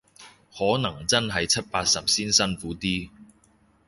可能真係七八十先辛苦啲